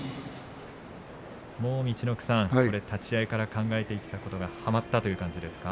もう陸奥さん、立ち合いから考えてきたことがはまったという感じですか？